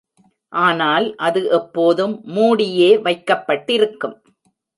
ஆனால் அது எப்போதும் மூடியே வைக்கப்பட்டிருக்கும்.